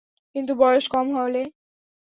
কিন্তু বয়স কম হলে?